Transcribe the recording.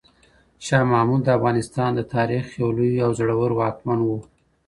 شاه محمود د افغانستان د تاریخ یو لوی او زړور واکمن و.